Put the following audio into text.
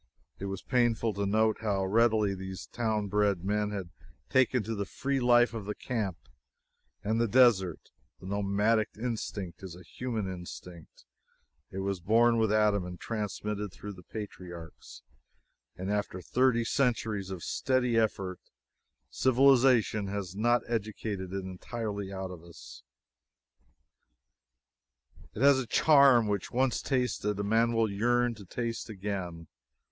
It was painful to note how readily these town bred men had taken to the free life of the camp and the desert The nomadic instinct is a human instinct; it was born with Adam and transmitted through the patriarchs, and after thirty centuries of steady effort, civilization has not educated it entirely out of us yet. It has a charm which, once tasted, a man will yearn to taste again.